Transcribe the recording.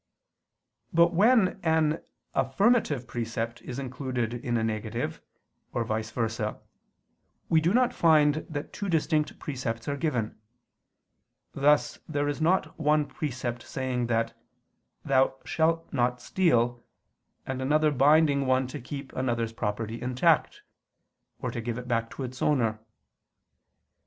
But when an affirmative precept is included in a negative, or vice versa, we do not find that two distinct precepts are given: thus there is not one precept saying that "Thou shalt not steal," and another binding one to keep another's property intact, or to give it back to its owner.